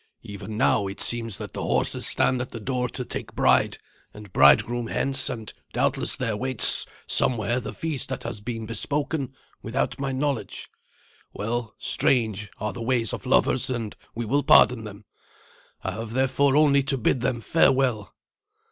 Even now, it seems that the horses stand at the door to take bride and bridegroom hence, and doubtless there waits somewhere the feast that has been bespoken without my knowledge. Well, strange are the ways of lovers, and we will pardon them. I have therefore only to bid them farewell."